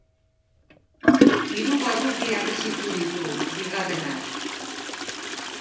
Hiru barruti harresitu ditu; bigarrenak